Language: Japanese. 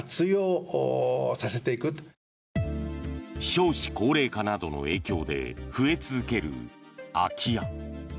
少子高齢化などの影響で増え続ける空き家。